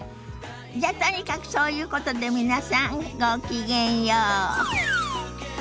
じゃとにかくそういうことで皆さんごきげんよう。